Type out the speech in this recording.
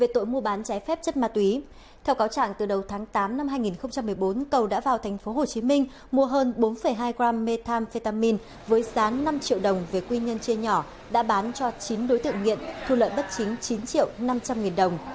theo cáo trạng từ đầu tháng tám năm hai nghìn một mươi bốn cầu đã vào thành phố hồ chí minh mua hơn bốn hai gram methamphetamine với gián năm triệu đồng về quy nhân chia nhỏ đã bán cho chín đối tượng nghiện thu lợi bất chính chín triệu năm trăm linh nghìn đồng